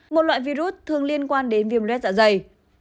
một loại virus thường liên quan đến viêm lết dạ dày